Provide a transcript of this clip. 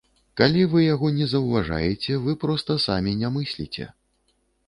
Калі вы яго не заўважаеце, вы проста самі не мысліце.